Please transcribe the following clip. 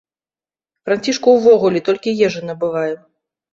Францішку ўвогуле толькі ежу набываем.